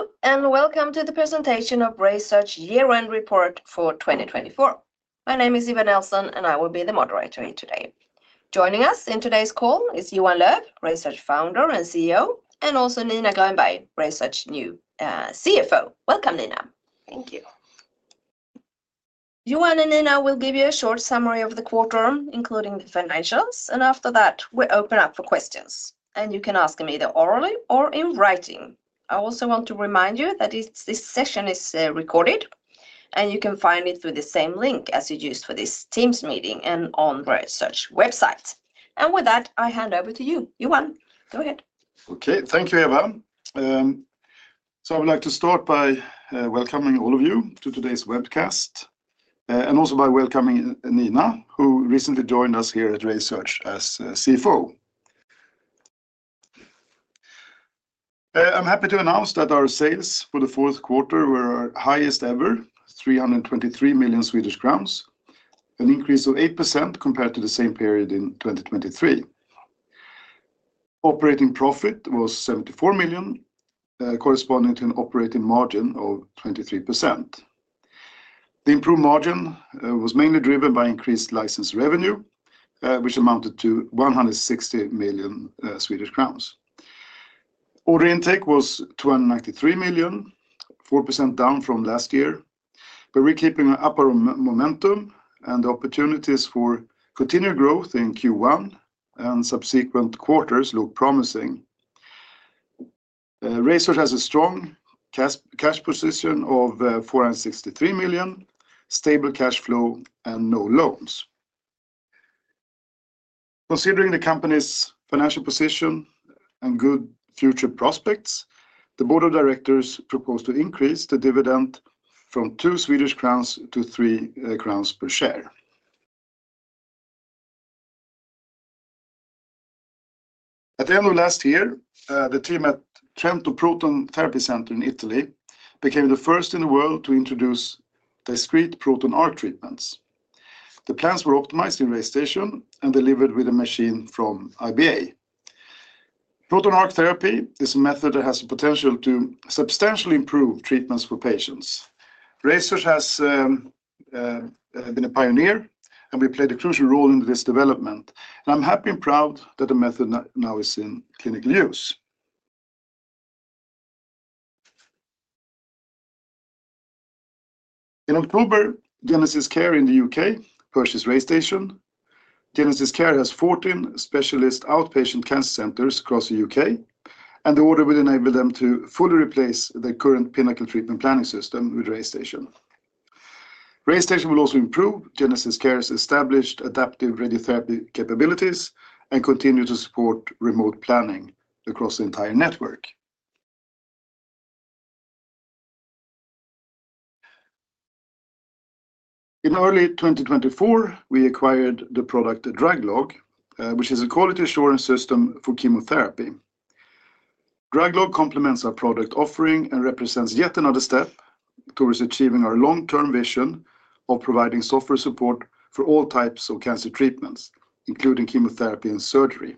Hello and welcome to the presentation of RaySearch Year-End Report for 2024. My name is Eva Nelson, and I will be the moderator here today. Joining us in today's call is Johan Löf, RaySearch Founder and CEO, and also Nina Grönberg, RaySearch new CFO. Welcome, Nina. Thank you. Johan and Nina will give you a short summary of the quarter, including the financials, and after that, we open up for questions, and you can ask them either orally or in writing. I also want to remind you that this session is recorded, and you can find it through the same link as you used for this Teams meeting and on the RaySearch website, and with that, I hand over to you, Johan. Go ahead. Okay, thank you, Eva. I would like to start by welcoming all of you to today's webcast, and also by welcoming Nina, who recently joined us here at RaySearch as CFO. I'm happy to announce that our sales for the fourth quarter were our highest ever, 323 million Swedish crowns, an increase of 8% compared to the same period in 2023. Operating profit was 74 million, corresponding to an operating margin of 23%. The improved margin was mainly driven by increased license revenue, which amounted to 160 million Swedish crowns. Order intake was 293 million, 4% down from last year, but we're keeping an upward momentum, and opportunities for continued growth in Q1 and subsequent quarters look promising. RaySearch has a strong cash position of 463 million, stable cash flow, and no loans. Considering the company's financial position and good future prospects, the board of directors proposed to increase the dividend from 2 Swedish crowns to 3 crowns per share. At the end of last year, the team at Trento Proton Therapy Centre in Italy became the first in the world to introduce discrete proton arc treatments. The plans were optimized in RayStation and delivered with a machine from IBA. Proton arc therapy is a method that has the potential to substantially improve treatments for patients. RaySearch has been a pioneer, and we played a crucial role in this development, and I'm happy and proud that the method now is in clinical use. In October, GenesisCare in the U.K. purchased RayStation. GenesisCare has 14 specialist outpatient cancer centers across the U.K., and the order will enable them to fully replace the current Pinnacle treatment planning system with RayStation. RayStation will also improve GenesisCare's established adaptive radiotherapy capabilities and continue to support remote planning across the entire network. In early 2024, we acquired the product DrugLog, which is a quality assurance system for chemotherapy. DrugLog complements our product offering and represents yet another step towards achieving our long-term vision of providing software support for all types of cancer treatments, including chemotherapy and surgery.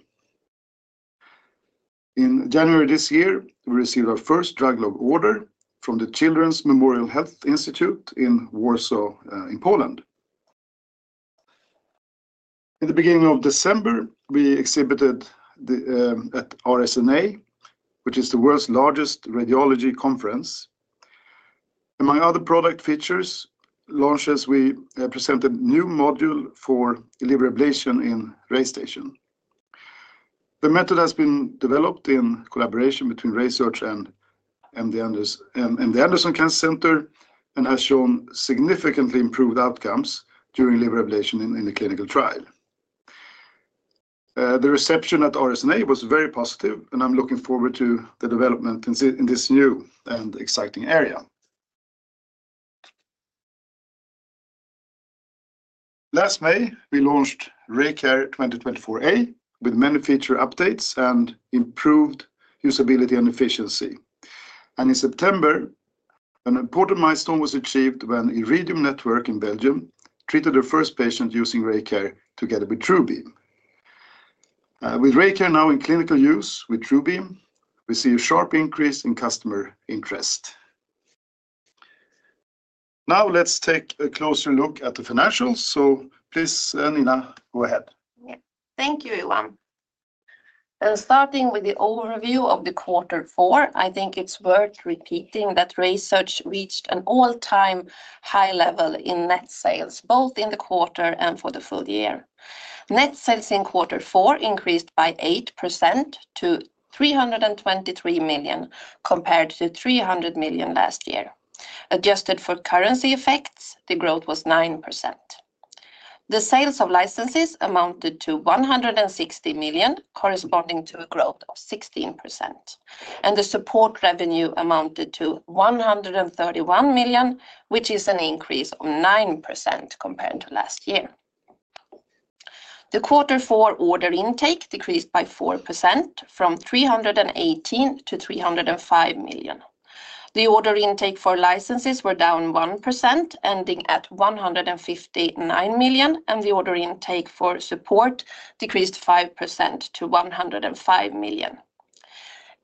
In January this year, we received our first DrugLog order from the Children's Memorial Health Institute in Warsaw in Poland. In the beginning of December, we exhibited at RSNA, which is the world's largest radiology conference. Among other product features, launches, we presented a new module for liver ablation in RayStation. The method has been developed in collaboration between RaySearch and the MD Anderson Cancer Center and has shown significantly improved outcomes during liver ablation in the clinical trial. The reception at RSNA was very positive, and I'm looking forward to the development in this new and exciting area. Last May, we launched RayCare 2024A with many feature updates and improved usability and efficiency, and in September, an important milestone was achieved when Iridium Network in Belgium treated their first patient using RayCare together with TrueBeam. With RayCare now in clinical use with TrueBeam, we see a sharp increase in customer interest. Now let's take a closer look at the financials. So please, Nina, go ahead. Thank you, Johan. And starting with the overview of the quarter four, I think it's worth repeating that RaySearch reached an all-time high level in net sales, both in the quarter and for the full year. Net sales in quarter four increased by 8% to 323 million, compared to 300 million last year. Adjusted for currency effects, the growth was 9%. The sales of licenses amounted to 160 million, corresponding to a growth of 16%. And the support revenue amounted to 131 million, which is an increase of 9% compared to last year. The quarter four order intake decreased by 4% from 318 million to 305 million. The order intake for licenses was down 1%, ending at 159 million, and the order intake for support decreased 5% to 105 million.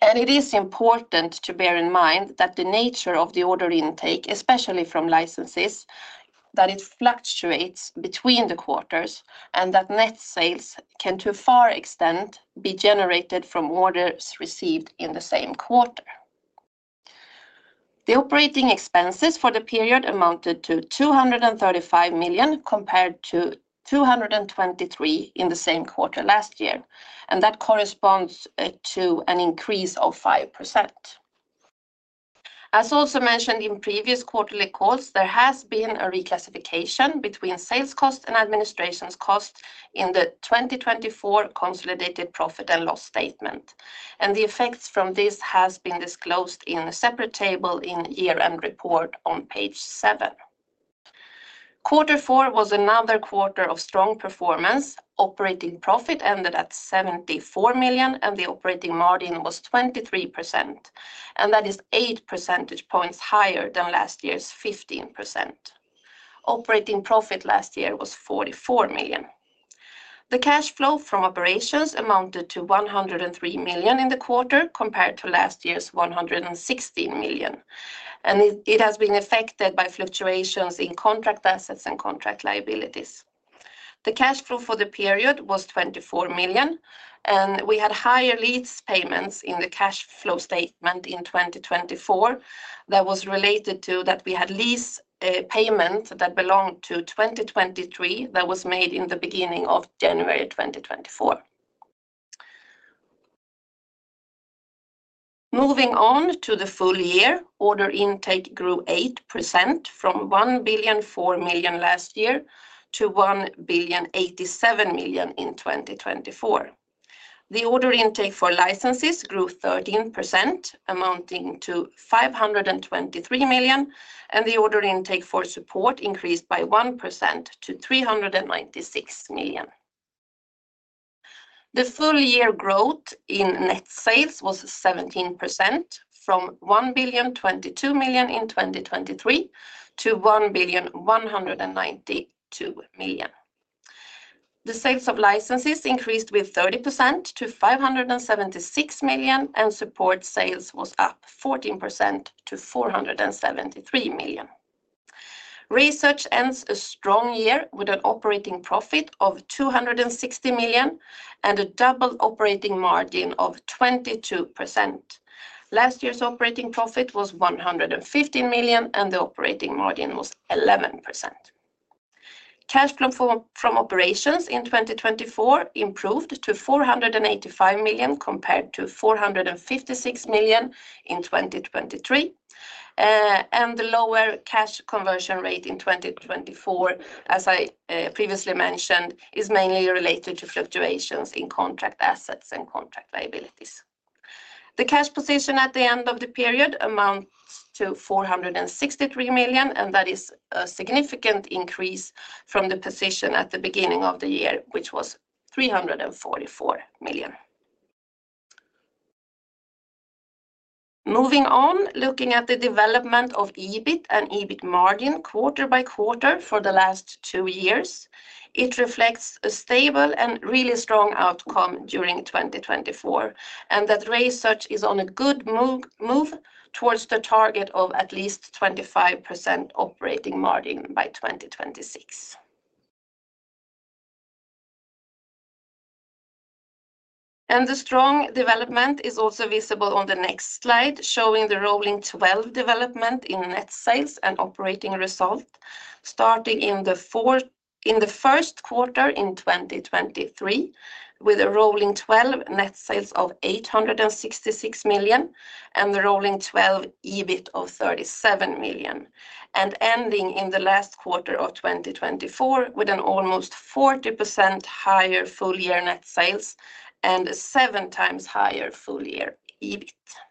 It is important to bear in mind that the nature of the order intake, especially from licenses, that it fluctuates between the quarters and that net sales can to a far extent be generated from orders received in the same quarter. The operating expenses for the period amounted to 235 million compared to 223 million in the same quarter last year, and that corresponds to an increase of 5%. As also mentioned in previous quarterly calls, there has been a reclassification between sales cost and administration's cost in the 2024 consolidated profit and loss statement, and the effects from this have been disclosed in a separate table in year-end report on page seven. Quarter four was another quarter of strong performance. Operating profit ended at 74 million, and the operating margin was 23%, and that is 8 percentage points higher than last year's 15%. Operating profit last year was 44 million. The cash flow from operations amounted to 103 million in the quarter compared to last year's 116 million, and it has been affected by fluctuations in contract assets and contract liabilities. The cash flow for the period was 24 million, and we had higher lease payments in the cash flow statement in 2024 that was related to that we had lease payments that belonged to 2023 that was made in the beginning of January 2024. Moving on to the full year, order intake grew 8% from 1 billion 4 million last year to 1 billion 87 million in 2024. The order intake for licenses grew 13%, amounting to 523 million, and the order intake for support increased by 1% to 396 million. The full year growth in net sales was 17% from 1 billion 22 million in 2023 to 1 billion 192 million. The sales of licenses increased with 30% to 576 million, and support sales was up 14% to 473 million. RaySearch ends a strong year with an operating profit of 260 million and a double operating margin of 22%. Last year's operating profit was 115 million, and the operating margin was 11%. Cash flow from operations in 2024 improved to 485 million compared to 456 million in 2023, and the lower cash conversion rate in 2024, as I previously mentioned, is mainly related to fluctuations in contract assets and contract liabilities. The cash position at the end of the period amounts to 463 million, and that is a significant increase from the position at the beginning of the year, which was 344 million. Moving on, looking at the development of EBITDA and EBITDA margin quarter by quarter for the last two years, it reflects a stable and really strong outcome during 2024, and that RaySearch is on a good move towards the target of at least 25% operating margin by 2026, and the strong development is also visible on the next slide, showing the rolling 12 development in net sales and operating result, starting in the first quarter in 2023 with a rolling 12 net sales of 866 million and the rolling 12 EBITDA of 37 million, and ending in the last quarter of 2024 with an almost 40% higher full year net sales and a seven times higher full year EBITDA.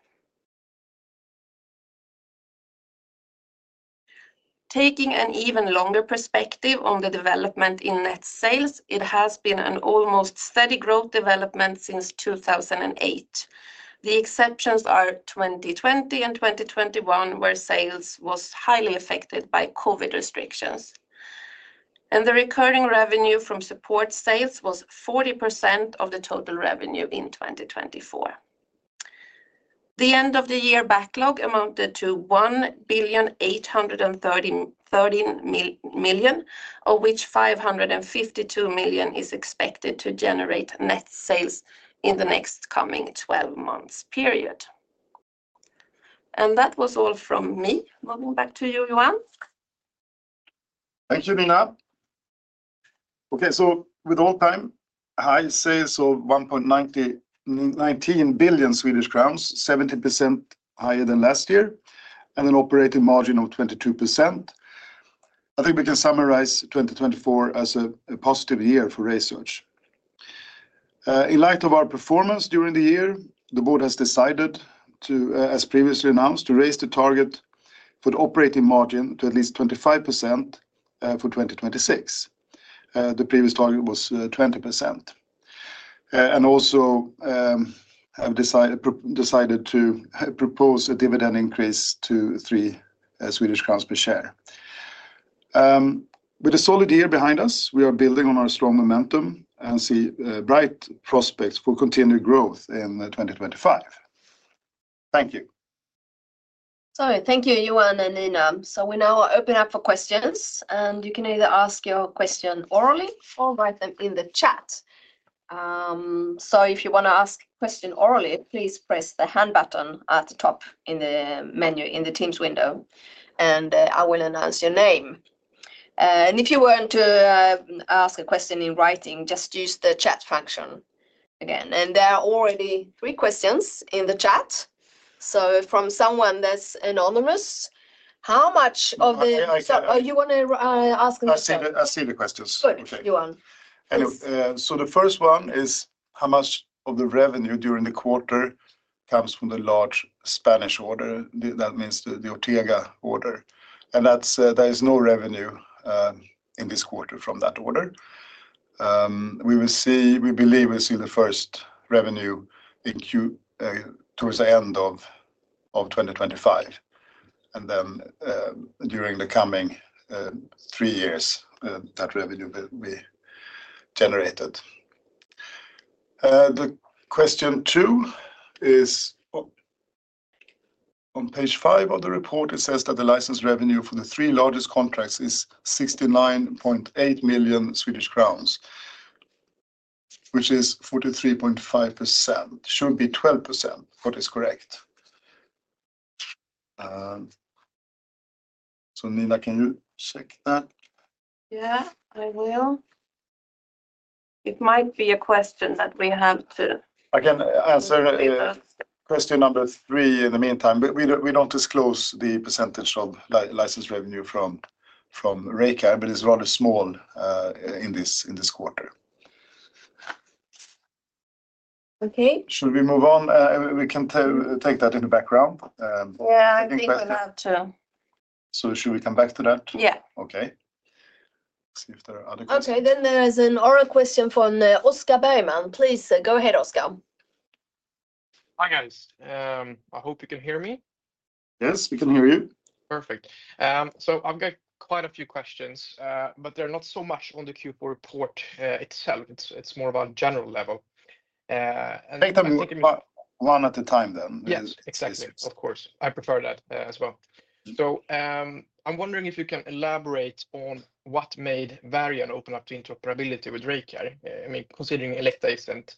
Taking an even longer perspective on the development in net sales, it has been an almost steady growth development since 2008. The exceptions are 2020 and 2021, where sales were highly affected by COVID restrictions, and the recurring revenue from support sales was 40% of the total revenue in 2024. The end-of-the-year backlog amounted to 1.83 billion, of which 552 million is expected to generate net sales in the next coming 12 months period. And that was all from me. Moving back to you, Johan. Thank you, Nina. Okay, so with all-time high sales of 1.919 billion Swedish crowns, 70% higher than last year, and an operating margin of 22%. I think we can summarize 2024 as a positive year for RaySearch. In light of our performance during the year, the board has decided, as previously announced, to raise the target for the operating margin to at least 25% for 2026. The previous target was 20%. And also have decided to propose a dividend increase to 3 Swedish crowns per share. With a solid year behind us, we are building on our strong momentum and see bright prospects for continued growth in 2025. Thank you. Sorry, thank you, Johan and Nina. We now open up for questions, and you can either ask your question orally or write them in the chat. If you want to ask a question orally, please press the hand button at the top in the menu in the Teams window, and I will announce your name. If you want to ask a question in writing, just use the chat function again. There are already three questions in the chat. From someone that's anonymous, how much of the... So you want to ask... I see the questions. Okay, Johan. The first one is how much of the revenue during the quarter comes from the large Spanish order. That means the Ortega order. And that is no revenue in this quarter from that order. We will see, we believe we'll see the first revenue towards the end of 2025. And then during the coming three years, that revenue will be generated. The question two is on page five of the report. It says that the license revenue for the three largest contracts is 69.8 million Swedish crowns, which is 43.5%. It should be 12%, but it's correct. So Nina, can you check that? Yeah, I will. It might be a question that we have to... I can answer question number three in the meantime. We don't disclose the percentage of license revenue from RayCare, but it's rather small in this quarter. Okay. Should we move on? We can take that in the background. Yeah, I think we'll have to... So should we come back to that? Yeah. Okay. Let's see if there are other questions. Okay, then there's an oral question from Oscar Bergman. Please go ahead, Oscar. Hi guys. I hope you can hear me. Yes, we can hear you. Perfect, so I've got quite a few questions, but they're not so much on the Q4 report itself. It's more of a general level. Take them one at a time then. Yeah, exactly. Of course. I prefer that as well. So I'm wondering if you can elaborate on what made Varian open up to interoperability with RayCare, I mean, considering Elekta's intent.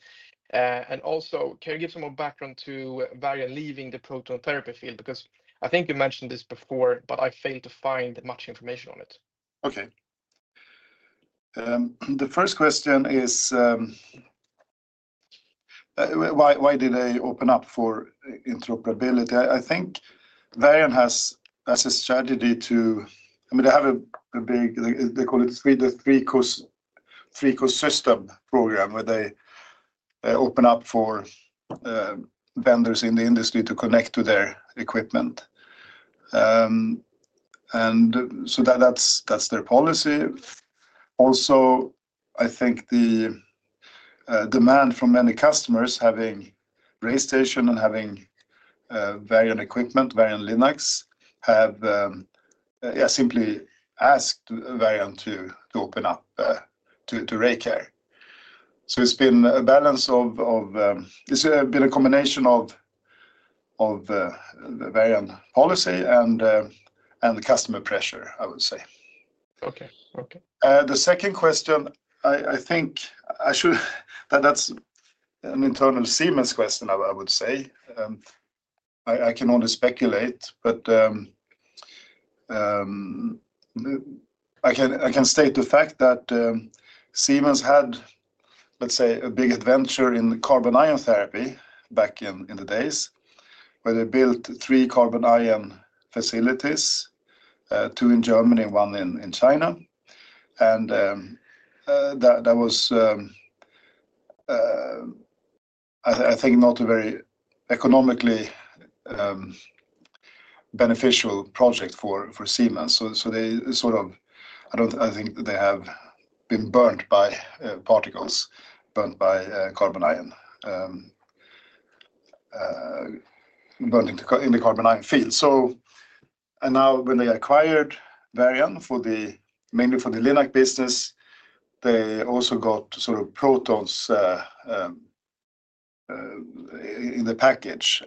And also, can you give some more background to Varian leaving the proton therapy field? Because I think you mentioned this before, but I failed to find much information on it. Okay. The first question is, why did they open up for interoperability? I think Varian has a strategy to, I mean, they have a big, they call it the three-core system program where they open up for vendors in the industry to connect to their equipment. And so that's their policy. Also, I think the demand from many customers having RayStation and having Varian equipment, Varian linacs, have simply asked Varian to open up to RayCare. So it's been a balance of, it's been a combination of Varian policy and customer pressure, I would say. The second question, I think that's an internal Siemens question, I would say. I can only speculate, but I can state the fact that Siemens had, let's say, a big adventure in carbon ion therapy back in the days where they built three carbon ion facilities, two in Germany and one in China. That was, I think, not a very economically beneficial project for Siemens. They sort of, I think, have been burned by particles, burned by carbon ion, burned in the carbon ion field. Now when they acquired Varian mainly for the linacs business, they also got sort of protons in the package.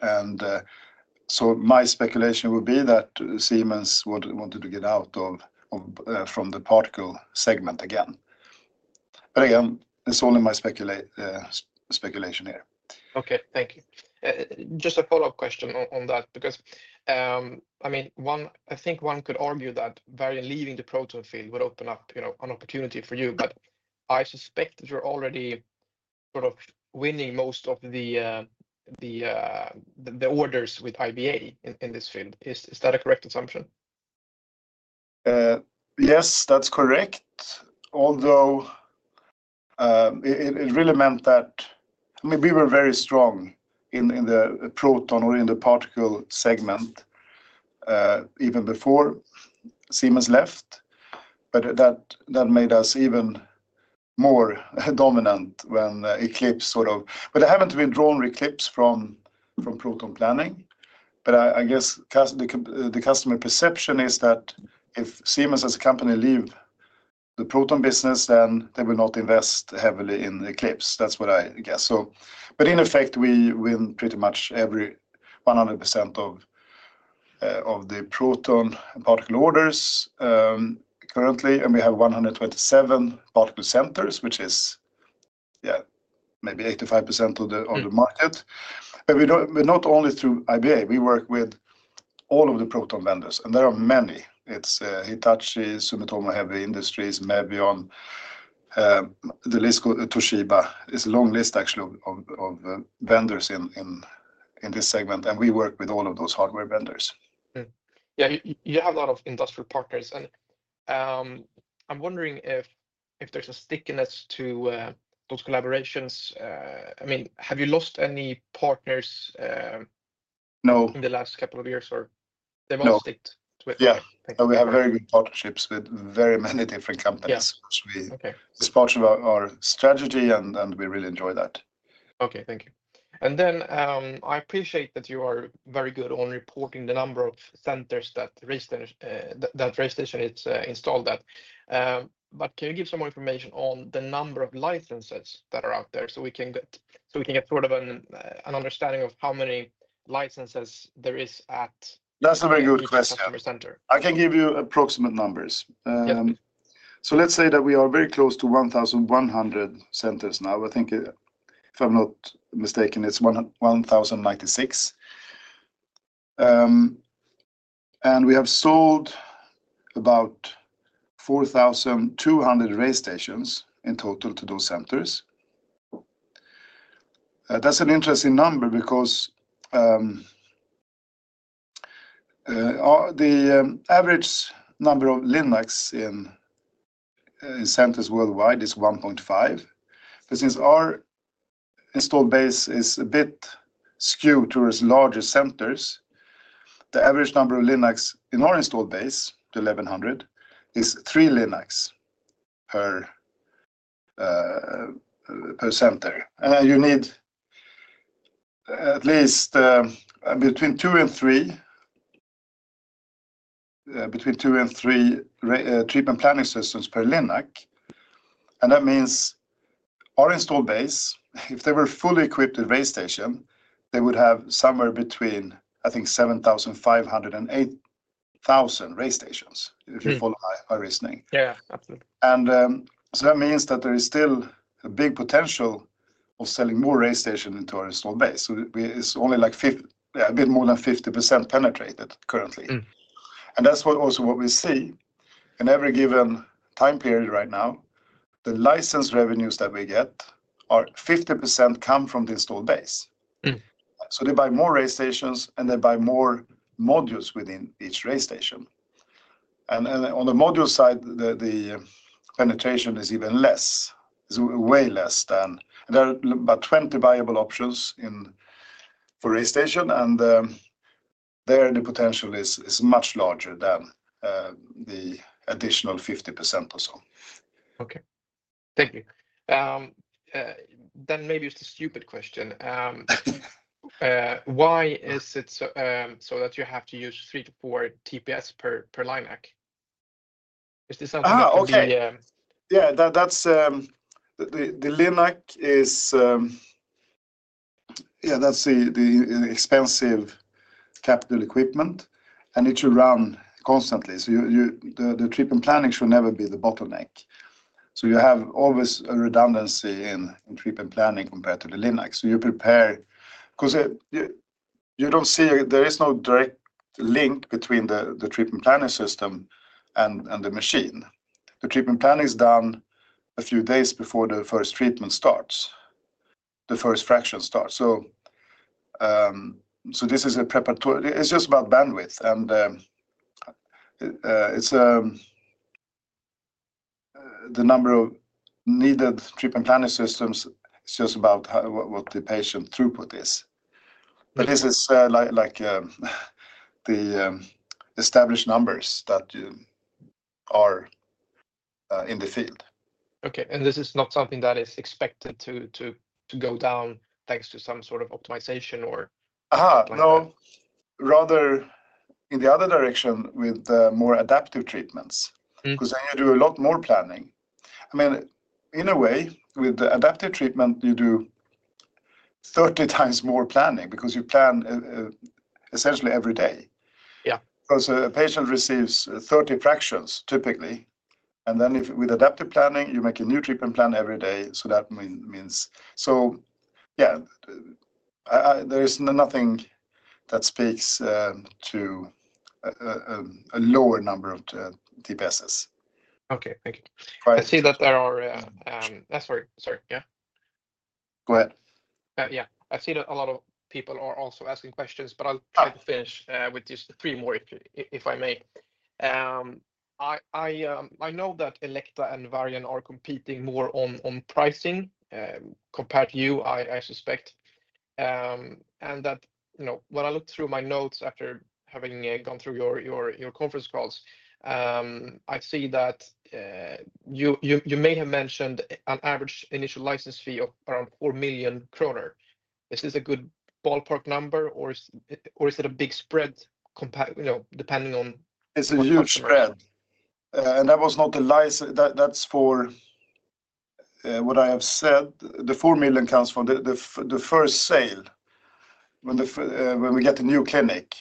My speculation would be that Siemens wanted to get out of the particle segment again. Again, it's only my speculation here. Okay, thank you. Just a follow-up question on that, because I mean, I think one could argue that Varian leaving the proton field would open up an opportunity for you, but I suspect that you're already sort of winning most of the orders with IBA in this field. Is that a correct assumption? Yes, that's correct. Although it really meant that, I mean, we were very strong in the proton or in the particle segment even before Siemens left, but that made us even more dominant when Eclipse sort of, but they haven't withdrawn Eclipse from proton planning. But I guess the customer perception is that if Siemens as a company leaves the proton business, then they will not invest heavily in Eclipse. That's what I guess. But in effect, we win pretty much every 100% of the proton particle orders currently, and we have 127 particle centers, which is, yeah, maybe 85% of the market. But not only through IBA, we work with all of the proton vendors, and there are many. It's Hitachi, Sumitomo Heavy Industries, Mevion, the list, Toshiba, it's a long list actually of vendors in this segment, and we work with all of those hardware vendors. Yeah, you have a lot of industrial partners, and I'm wondering if there's a stickiness to those collaborations. I mean, have you lost any partners in the last couple of years, or they've all stuck? Yeah, we have very good partnerships with very many different companies. It's part of our strategy, and we really enjoy that. Okay, thank you. And then I appreciate that you are very good on reporting the number of centers that RayStation has installed at. But can you give some more information on the number of licenses that are out there so we can get sort of an understanding of how many licenses there is at the customer center? That's a very good question. I can give you approximate numbers. So let's say that we are very close to 1,100 centers now. I think if I'm not mistaken, it's 1,096. And we have sold about 4,200 RayStations in total to those centers. That's an interesting number because the average number of linacs in centers worldwide is 1.5. But since our installed base is a bit skewed towards larger centers, the average number of linacs in our installed base, 1,100, is three linacs per center. And you need at least between two and three, between two and three treatment planning systems per linac. And that means our installed base, if they were fully equipped with RayStation, they would have somewhere between, I think, 7,500 and 8,000 RayStations, if you follow my reasoning. And so that means that there is still a big potential of selling more RayStations into our installed base. It's only like a bit more than 50% penetrated currently. And that's also what we see in every given time period right now. The license revenues that we get are 50% come from the installed base. So they buy more RayStations, and they buy more modules within each RayStation. And on the module side, the penetration is even less, way less than. There are about 20 viable options for RayStation, and there the potential is much larger than the additional 50% or so. Okay, thank you. Then maybe it's a stupid question. Why is it so that you have to use three to four TPS per linac? Is this something that you... Yeah, the linac is, yeah, that's the expensive capital equipment, and it should run constantly. So the treatment planning should never be the bottleneck. So you have always a redundancy in treatment planning compared to the linac. So you prepare because you don't see there is no direct link between the treatment planning system and the machine. The treatment planning is done a few days before the first treatment starts, the first fraction starts. So this is a preparatory. It's just about bandwidth, and the number of needed treatment planning systems is just about what the patient throughput is. But this is like the established numbers that you are in the field. Okay, and this is not something that is expected to go down thanks to some sort of optimization or... No, rather in the other direction with more adaptive treatments, because then you do a lot more planning. I mean, in a way, with the adaptive treatment, you do 30 times more planning because you plan essentially every day. Because a patient receives 30 fractions typically, and then with adaptive planning, you make a new treatment plan every day. So that means. So yeah, there is nothing that speaks to a lower number of TPSs. Okay, thank you. Sorry, sorry, yeah? Go ahead. Yeah, I see that a lot of people are also asking questions, but I'll try to finish with just three more if I may. I know that Elekta and Varian are competing more on pricing compared to you, I suspect. And that when I look through my notes after having gone through your conference calls, I see that you may have mentioned an average initial license fee of around 4 million kronor. Is this a good ballpark number, or is it a big spread depending on... It's a huge spread, and that was not the license. That's for what I have said. The 4 million comes from the first sale. When we get a new clinic,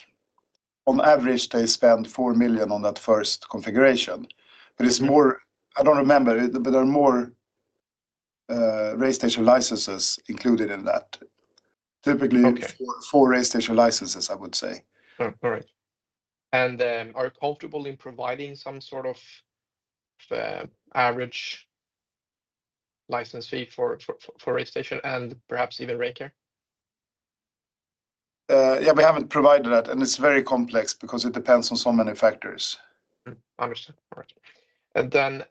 on average, they spend 4 million on that first configuration. But it's more. I don't remember, but there are more RayStation licenses included in that. Typically, four RayStation licenses, I would say. All right, and are you comfortable in providing some sort of average license fee for RayStation and perhaps even RayCare? Yeah, we haven't provided that, and it's very complex because it depends on so many factors. Understood. All right. And then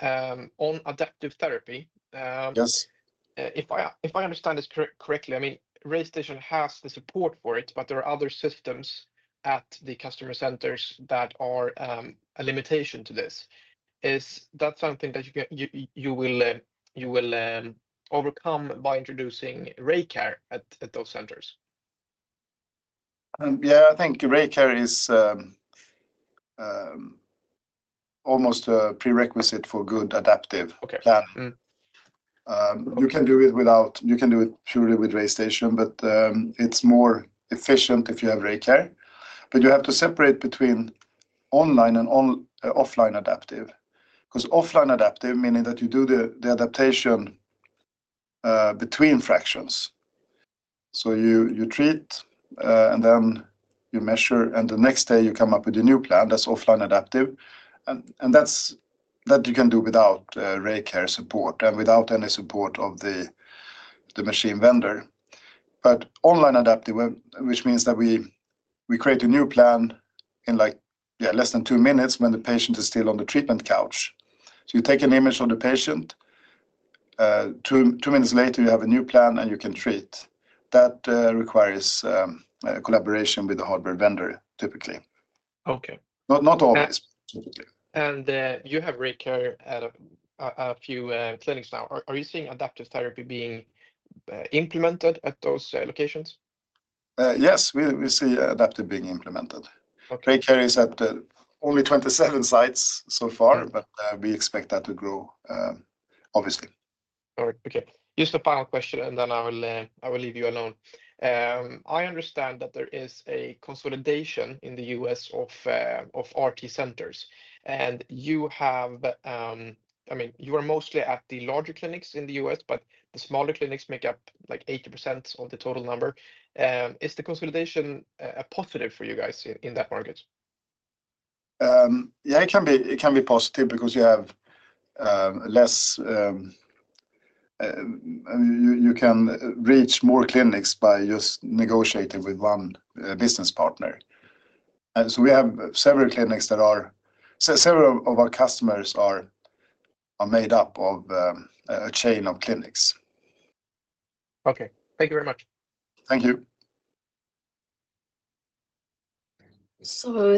on adaptive therapy, if I understand this correctly, I mean, RayStation has the support for it, but there are other systems at the customer centers that are a limitation to this. Is that something that you will overcome by introducing RayCare at those centers? Yeah, I think RayCare is almost a prerequisite for good adaptive planning. You can do it without, you can do it purely with RayStation, but it's more efficient if you have RayCare. But you have to separate between online and offline adaptive, because offline adaptive, meaning that you do the adaptation between fractions. So you treat, and then you measure, and the next day you come up with a new plan that's offline adaptive. And that you can do without RayCare support and without any support of the machine vendor. But online adaptive, which means that we create a new plan in less than two minutes when the patient is still on the treatment couch. So you take an image of the patient. Two minutes later, you have a new plan, and you can treat. That requires collaboration with the hardware vendor, typically. Not always. And you have RayCare at a few clinics now. Are you seeing adaptive therapy being implemented at those locations? Yes, we see adaptive being implemented. RayCare is at only 27 sites so far, but we expect that to grow, obviously. All right, okay. Just a final question, and then I will leave you alone. I understand that there is a consolidation in the U.S. of RT centers, and you have, I mean, you are mostly at the larger clinics in the U.S., but the smaller clinics make up like 80% of the total number. Is the consolidation a positive for you guys in that market? Yeah, it can be positive because you have less, you can reach more clinics by just negotiating with one business partner. So we have several clinics that are, several of our customers are made up of a chain of clinics. Okay, thank you very much. Thank you.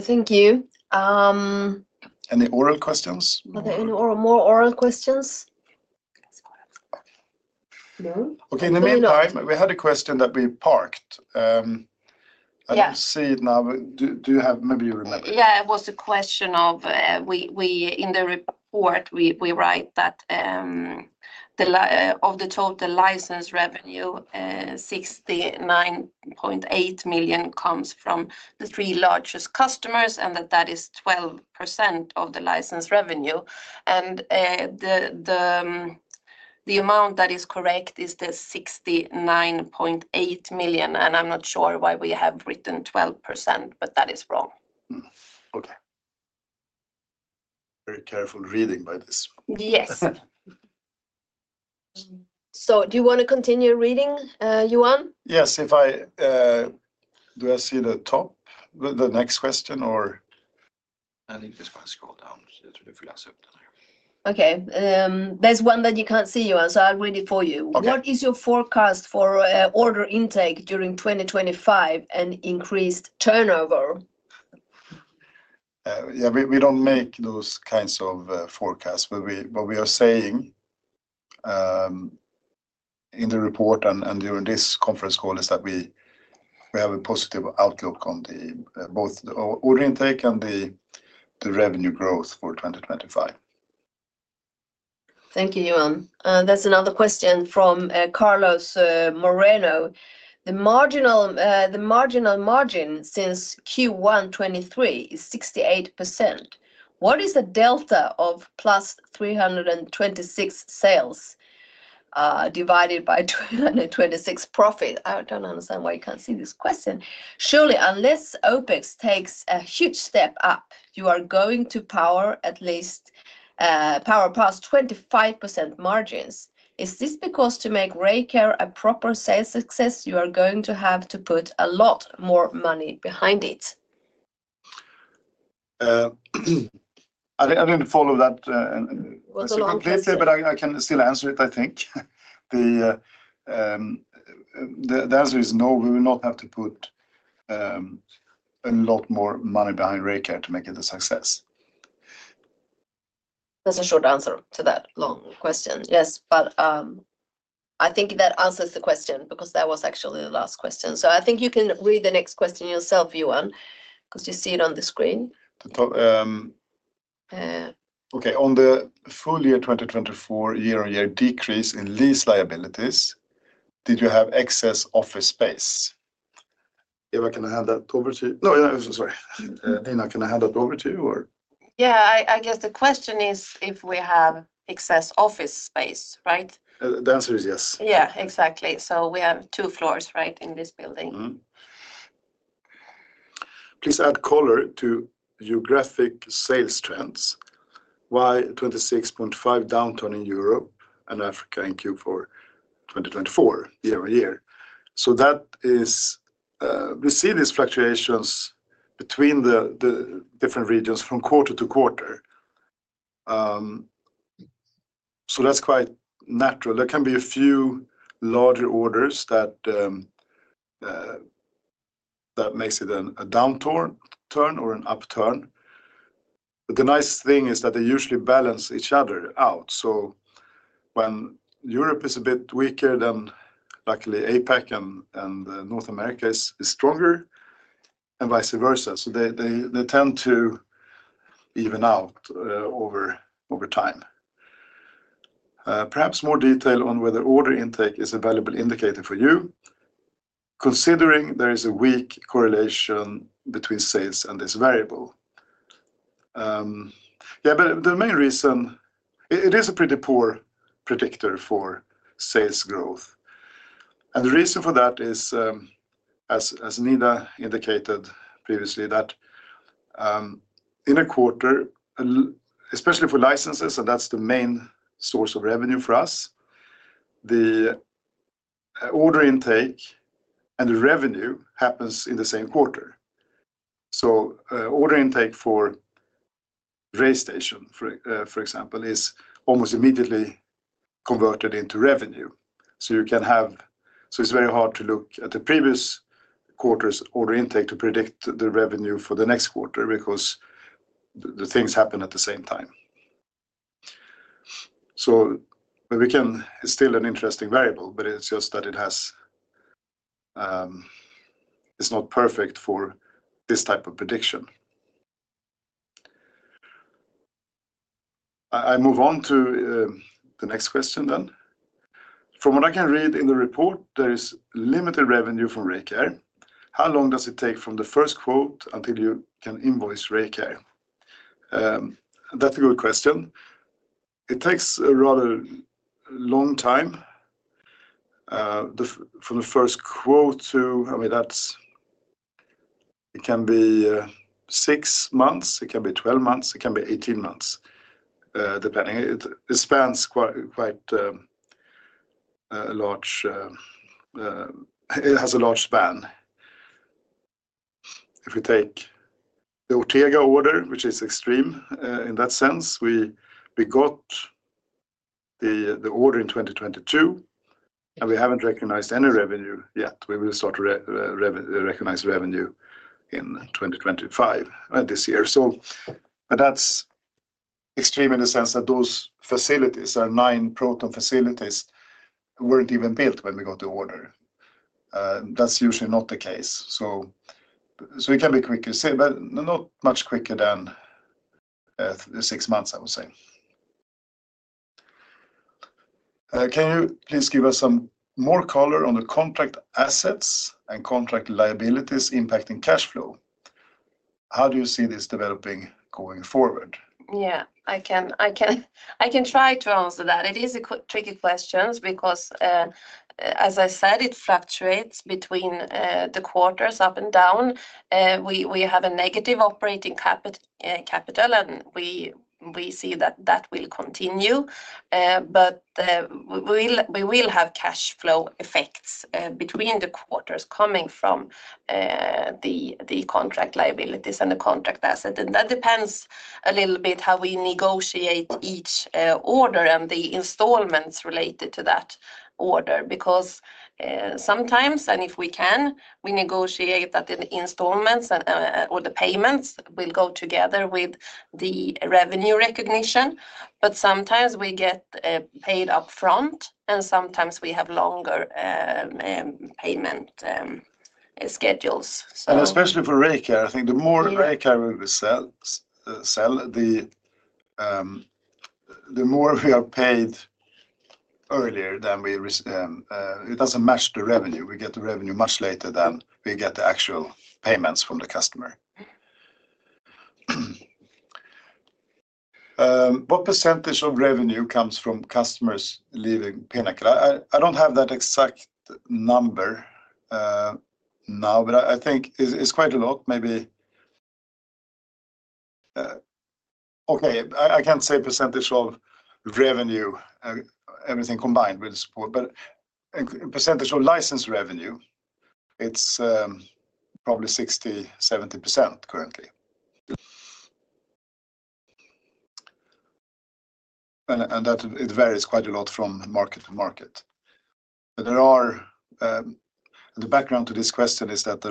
Thank you. Any oral questions? Are there any more oral questions? No? Okay, in the meantime, we had a question that we parked. I don't see it now. Do you have, maybe you remember? Yeah, it was a question of, in the report, we write that of the total license revenue, 69.8 million SEK comes from the three largest customers, and that is 12% of the license revenue. And the amount that is correct is the 69.8 million SEK, and I'm not sure why we have written 12%, but that is wrong. Okay. Very careful reading by this. Yes. So do you want to continue reading, Johan? Yes, if I do, I see the top, the next question, or? I think you just want to scroll down to the free acceptance. Okay. There's one that you can't see, Johan, so I'll read it for you. What is your forecast for order intake during 2025 and increased turnover? Yeah, we don't make those kinds of forecasts, but what we are saying in the report and during this conference call is that we have a positive outlook on both the order intake and the revenue growth for 2025. Thank you, Johan. That's another question from Carlos Moreno. The marginal margin since Q1 2023 is 68%. What is the delta of plus 326 sales divided by 226 profit? I don't understand why you can't see this question. Surely, unless OpEx takes a huge step up, you are going to power at least past 25% margins. Is this because to make RayCare a proper sales success, you are going to have to put a lot more money behind it? I didn't follow that completely, but I can still answer it, I think. The answer is no, we will not have to put a lot more money behind RayCare to make it a success. That's a short answer to that long question. Yes, but I think that answers the question because that was actually the last question. So I think you can read the next question yourself, Johan, because you see it on the screen. Okay, on the full year 2024 year-on-year decrease in lease liabilities, did you have excess office space? Yeah, can I hand that over to you? No, sorry. Nina, can I hand that over to you, or? Yeah, I guess the question is if we have excess office space, right? The answer is yes. Yeah, exactly. So we have two floors, right, in this building? Please add color to geographic sales trends. Why 26.5% downturn in Europe and Africa in Q4 2024, year-on-year? So we see these fluctuations between the different regions from quarter to quarter. So that's quite natural. There can be a few larger orders that makes it a downturn or an upturn. But the nice thing is that they usually balance each other out. So when Europe is a bit weaker, then luckily APAC and North America is stronger, and vice versa. So they tend to even out over time. Perhaps more detail on whether order intake is a valuable indicator for you, considering there is a weak correlation between sales and this variable. Yeah, but the main reason, it is a pretty poor predictor for sales growth. And the reason for that is, as Nina indicated previously, that in a quarter, especially for licenses, and that's the main source of revenue for us, the order intake and the revenue happens in the same quarter. So order intake for RayStation, for example, is almost immediately converted into revenue. So it's very hard to look at the previous quarter's order intake to predict the revenue for the next quarter because the things happen at the same time. So we can still have an interesting variable, but it's just that it's not perfect for this type of prediction. I move on to the next question then. From what I can read in the report, there is limited revenue from RayCare. How long does it take from the first quote until you can invoice RayCare? That's a good question. It takes a rather long time from the first quote to, I mean, it can be six months, it can be 12 months, it can be 18 months, depending. It spans quite a large, it has a large span. If we take the Ortega order, which is extreme in that sense, we got the order in 2022, and we haven't recognized any revenue yet. We will start to recognize revenue in 2025, this year, so that's extreme in the sense that those facilities, our nine Proton facilities, weren't even built when we got the order. That's usually not the case, so it can be quicker, but not much quicker than six months, I would say. Can you please give us some more color on the contract assets and contract liabilities impacting cash flow? How do you see this developing going forward? Yeah, I can try to answer that. It is a tricky question because, as I said, it fluctuates between the quarters up and down. We have a negative operating capital, and we see that that will continue, but we will have cash flow effects between the quarters coming from the contract liabilities and the contract assets, and that depends a little bit how we negotiate each order and the installments related to that order because sometimes, and if we can, we negotiate that the installments or the payments will go together with the revenue recognition, but sometimes we get paid upfront, and sometimes we have longer payment schedules. And especially for RayCare, I think the more RayCare we sell, the more we are paid earlier than we it doesn't match the revenue. We get the revenue much later than we get the actual payments from the customer. What percentage of revenue comes from customers leaving Pinnacle? I don't have that exact number now, but I think it's quite a lot, maybe. Okay, I can't say percentage of revenue, everything combined with support, but percentage of license revenue, it's probably 60%-70% currently. And it varies quite a lot from market to market. The background to this question is that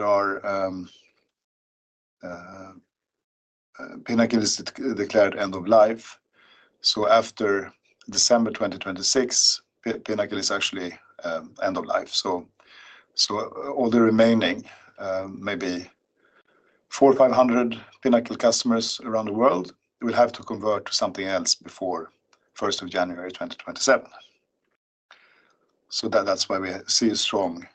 Pinnacle is declared end of life. So after December 2026, Pinnacle is actually end of life. So all the remaining, maybe 400-500 Pinnacle customers around the world, we'll have to convert to something else before 1st of January 2027. So that's why we see a strong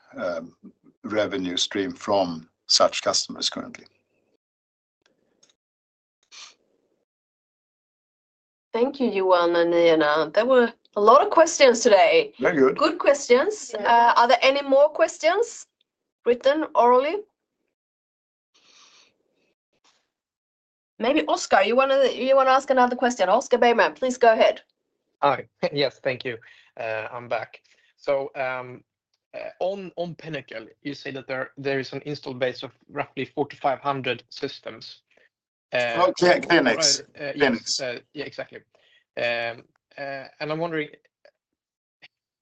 revenue stream from such customers currently. Thank you, Johan and Nina. There were a lot of questions today. Very good. Good questions. Are there any more questions written or orally? Maybe Oscar, you want to ask another question? Oscar Bergman, please go ahead. Hi. Yes, thank you. I'm back. So on Pinnacle, you say that there is an installed base of roughly 4,500 systems. Oh, clinics. Yeah, exactly. And I'm wondering,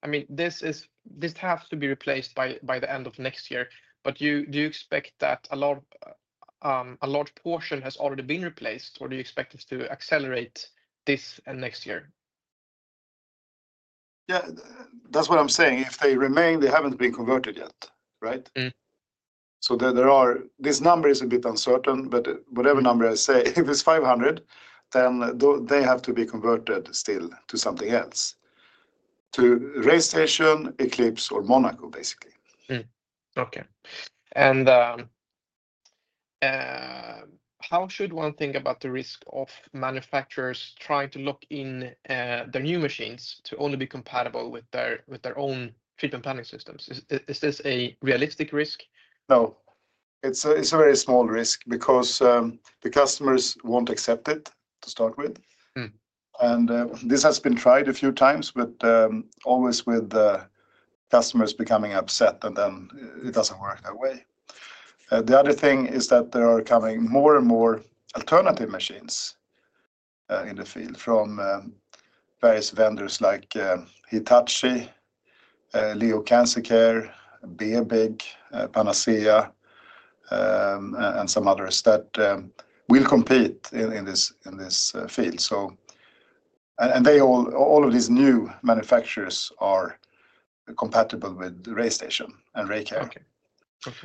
I mean, this has to be replaced by the end of next year, but do you expect that a large portion has already been replaced, or do you expect us to accelerate this next year? Yeah, that's what I'm saying. If they remain, they haven't been converted yet, right? So this number is a bit uncertain, but whatever number I say, if it's 500, then they have to be converted still to something else, to RayStation, Eclipse, or Monaco, basically. Okay. And how should one think about the risk of manufacturers trying to lock in their new machines to only be compatible with their own treatment planning systems? Is this a realistic risk? No. It's a very small risk because the customers won't accept it to start with, and this has been tried a few times, but always with customers becoming upset, and then it doesn't work that way. The other thing is that there are coming more and more alternative machines in the field from various vendors like Hitachi, Leo Cancer Care, IBA, Panacea, and some others that will compete in this field, and all of these new manufacturers are compatible with RayStation and RayCare,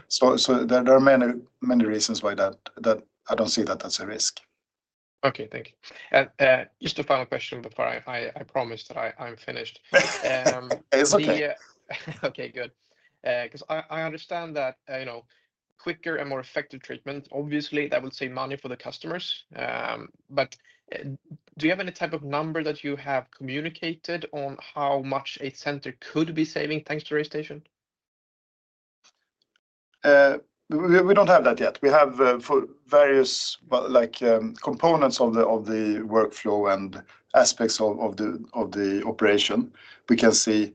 so there are many reasons why I don't see that that's a risk. Okay, thank you, and just a final question before I promise that I'm finished. It's okay. Okay, good. Because I understand that quicker and more effective treatment, obviously, that will save money for the customers. But do you have any type of number that you have communicated on how much a center could be saving thanks to RayStation? We don't have that yet. We have various components of the workflow and aspects of the operation. We can see,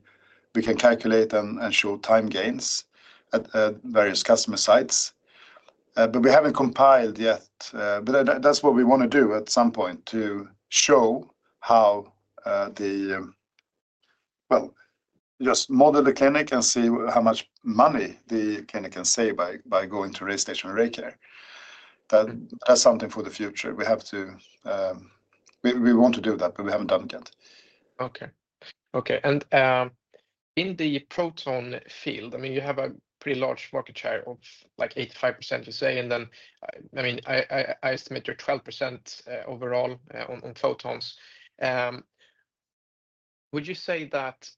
we can calculate and show time gains at various customer sites. But we haven't compiled yet. But that's what we want to do at some point to show how the, well, just model the clinic and see how much money the clinic can save by going to RayStation and RayCare. That's something for the future. We want to do that, but we haven't done it yet. Okay. Okay. And in the proton field, I mean, you have a pretty large market share of like 85%, you say, and then, I mean, I estimate you're 12% overall on protons. Would you say that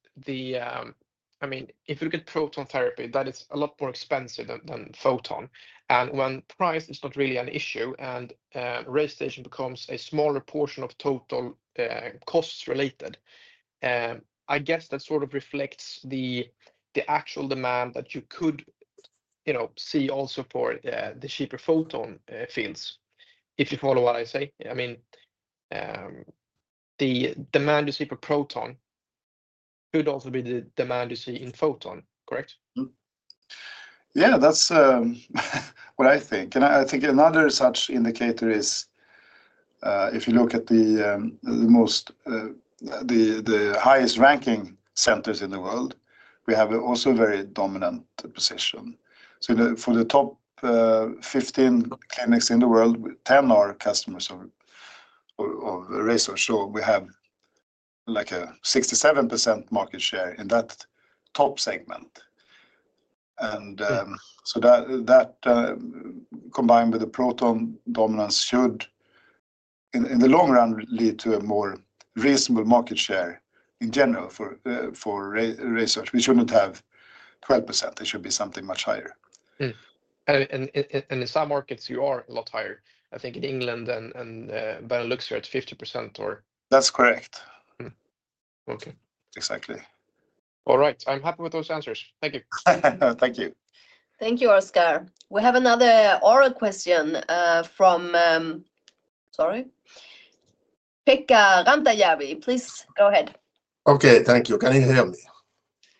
I mean, if you look at proton therapy, that is a lot more expensive than photon, and when price is not really an issue and RayStation becomes a smaller portion of total costs related, I guess that sort of reflects the actual demand that you could see also for the cheaper photon fields, if you follow what I say. I mean, the demand you see for proton could also be the demand you see in photon, correct? Yeah, that's what I think. And I think another such indicator is if you look at the highest ranking centers in the world, we have also a very dominant position. So for the top 15 clinics in the world, 10 are customers of RaySearch. So we have like a 67% market share in that top segment. And so that combined with the proton dominance should, in the long run, lead to a more reasonable market share in general for RaySearch. We shouldn't have 12%. It should be something much higher. And in some markets, you are a lot higher. I think in England, Benelux, you're at 50%, or? That's correct. Okay. Exactly. All right. I'm happy with those answers. Thank you. Thank you. Thank you, Oscar. We have another oral question from, sorry, Pekka Rantajärvi. Please go ahead. Okay, thank you. Can you hear me?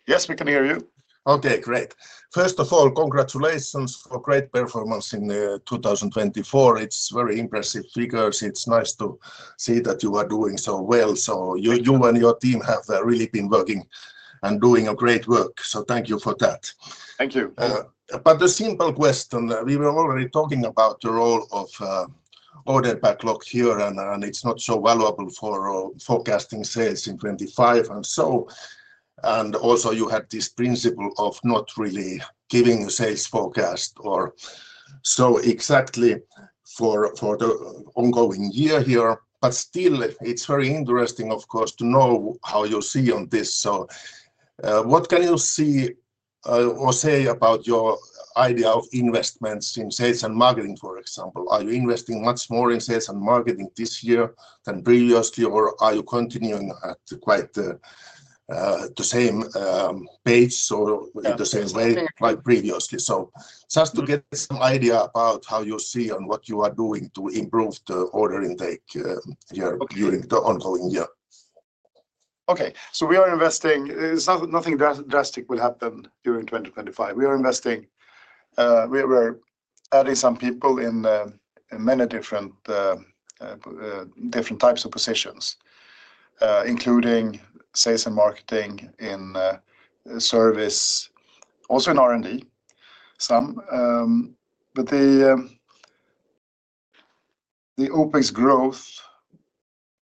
Yes, we can hear you. Okay, great. First of all, congratulations for great performance in 2024. It's very impressive figures. It's nice to see that you are doing so well. So you and your team have really been working and doing great work. So thank you for that. Thank you. But a simple question. We were already talking about the role of order backlog here, and it's not so valuable for forecasting sales in 2025 and so. And also you had this principle of not really giving a sales forecast or so exactly for the ongoing year here. But still, it's very interesting, of course, to know how you see on this. So what can you see or say about your idea of investments in sales and marketing, for example? Are you investing much more in sales and marketing this year than previously, or are you continuing at quite the same pace or in the same way like previously? So just to get some idea about how you see on this. So what you are doing to improve the order intake here during the ongoing year. Okay. So we are investing. Nothing drastic will happen during 2025. We are investing. We are adding some people in many different types of positions, including sales and marketing in service, also in R&D, some. But the openings growth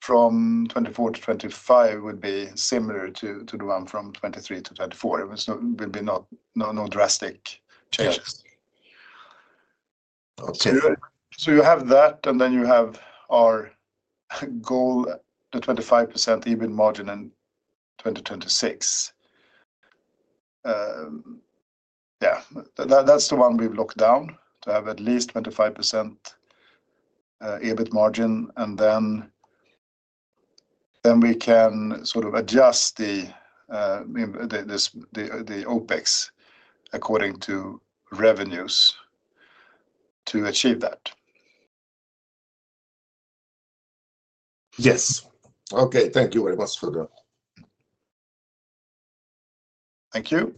from 2024 to 2025 would be similar to the one from 2023 to 2024. It would be no drastic changes. So you have that, and then you have our goal, the 25% EBITDA margin in 2026. Yeah, that's the one we've locked down to have at least 25% EBITDA margin, and then we can sort of adjust the OPEX according to revenues to achieve that. Yes. Okay, thank you very much for the. Thank you.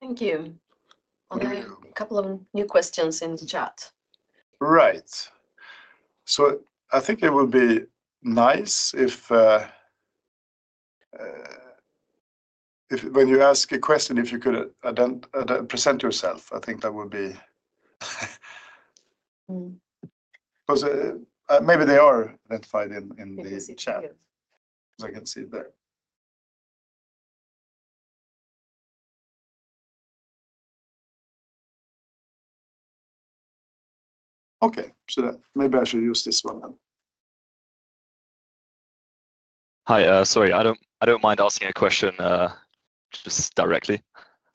Thank you. Only a couple of new questions in the chat. Right, so I think it would be nice if when you ask a question, if you could present yourself. I think that would be because maybe they are identified in the chat. Yes, you can. As I can see there. Okay. So maybe I should use this one then. Hi, sorry. I don't mind asking a question just directly.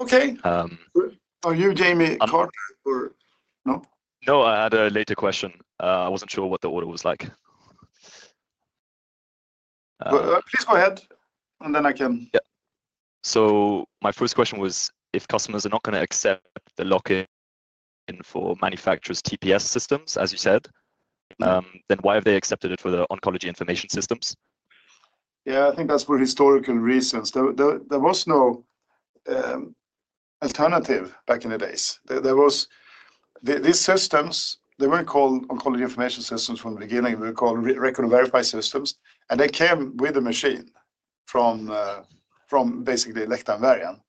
Okay. Are you Jamie Carter or no? No, I had a later question. I wasn't sure what the order was like. Please go ahead, and then I can. Yeah. So my first question was, if customers are not going to accept the lock-in for manufacturers' TPS systems, as you said, then why have they accepted it for the oncology information systems? Yeah, I think that's for historical reasons. There was no alternative back in the days. These systems, they weren't called oncology information systems from the beginning. They were called record and verify systems, and they came with a machine from basically Elekta/Varian.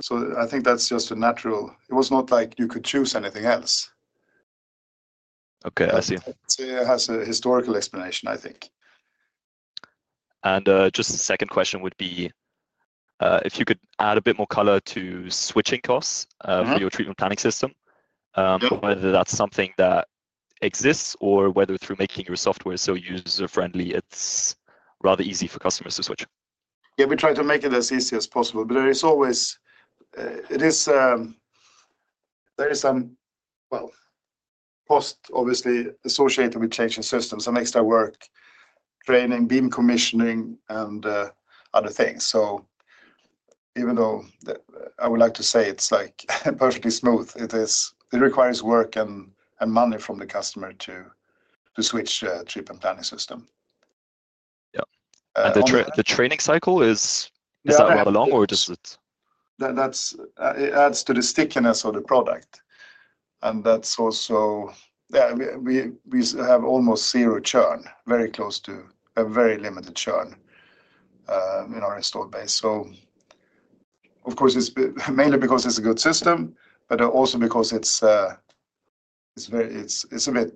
So I think that's just a natural. It was not like you could choose anything else. Okay, I see. It has a historical explanation, I think. Just the second question would be if you could add a bit more color to switching costs for your treatment planning system, whether that's something that exists or whether through making your software so user-friendly, it's rather easy for customers to switch? Yeah, we try to make it as easy as possible, but there is always some, well, cost obviously associated with changing systems, some extra work, training, beam commissioning, and other things. So even though I would like to say it's like perfectly smooth, it requires work and money from the customer to switch a treatment planning system. Yeah. And the training cycle, is that rather long, or does it? It adds to the stickiness of the product. That's also, yeah, we have almost zero churn, very close to a very limited churn in our installed base. Of course, it's mainly because it's a good system, but also because it's a bit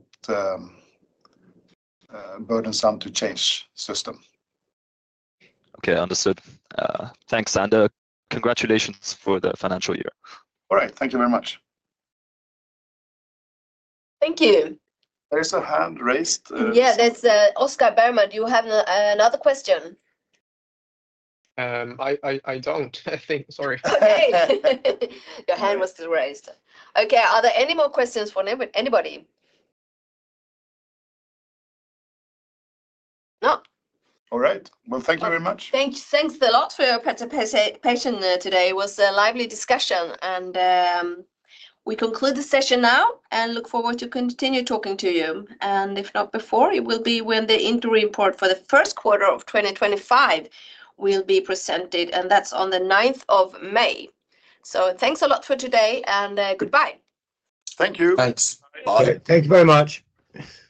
burdensome to change the system. Okay, understood. Thanks, and congratulations for the financial year. All right. Thank you very much. Thank you. There's a hand raised. Yeah, that's Oscar Bergman. Do you have another question? I don't, I think. Sorry. Okay. Your hand was still raised. Okay, are there any more questions for anybody? No? All right. Well, thank you very much. Thanks a lot for your participation today. It was a lively discussion, and we conclude the session now and look forward to continue talking to you, and if not before, it will be when the interim report for the first quarter of 2025 will be presented, and that's on the 9th of May, so thanks a lot for today, and goodbye. Thank you. Thanks. Bye. Thank you very much.